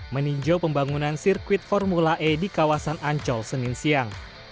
meninjau pembangunan sirkuit formula e di kawasan ancol senin siang